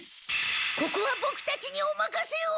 ここはボクたちにおまかせを！